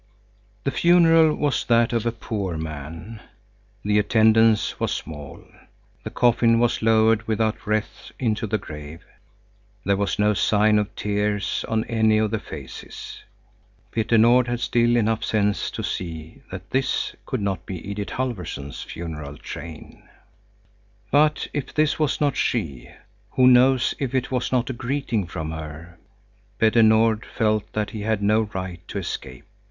The funeral was that of a poor man. The attendance was small. The coffin was lowered without wreaths into the grave. There was no sign of tears on any of the faces. Petter Nord had still enough sense to see that this could not be Edith Halfvorson's funeral train. But if this was not she, who knows if it was not a greeting from her. Petter Nord felt that he had no right to escape.